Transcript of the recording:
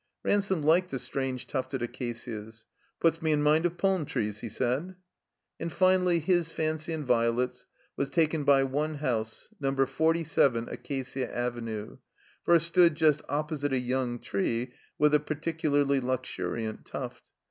Ransome liked the strange tufted acacias. 'Tuts me in mind of palm trees," he said. And finally his fancy and Violet's was taken by one house. Number Forty seven Acacia Avenue, for it stood just opposite a young tree with a particularly luxuriant tuft.